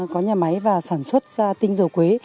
có nhà máy và sản xuất tinh dầu quế